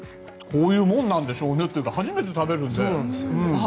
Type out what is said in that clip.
こういうもんなんでしょうねっていうか初めて食べるので。